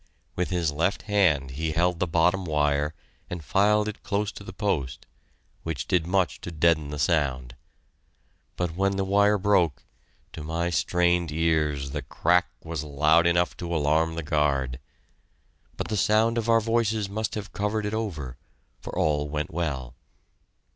With his left hand he held the bottom wire and filed it close to the post, which did much to deaden the sound, but when the wire broke, to my strained ears the crack was loud enough to alarm the guard. But the sound of our voices must have covered it over, for all went well.